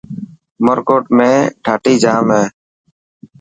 عمرڪوٽ ۾ ڌاٽي ڄام هي.